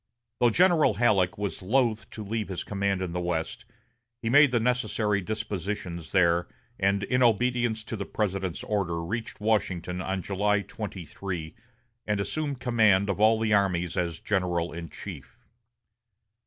Though General Halleck was loath to leave his command in the West, he made the necessary dispositions there, and in obedience to the President's order reached Washington on July 23, and assumed command of all the armies as general in chief.